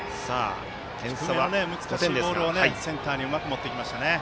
難しいボールをセンターにうまく持っていきました。